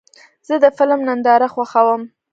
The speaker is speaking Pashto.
زه د فلم ننداره خوښوم.